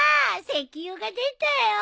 石油が出たよ！